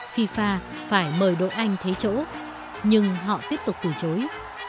fifa phải mời đội anh thấy chỗ nhưng họ tiếp tục từ chối